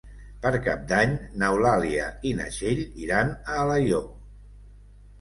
Per Cap d'Any n'Eulàlia i na Txell iran a Alaior.